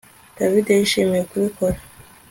David yishimiye kubikora